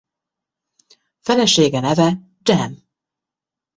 Felesége neve Jam.